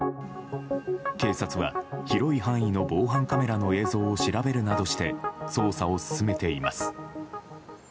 警察は広い範囲の防犯カメラの映像を調べるなどして捜査を進めています。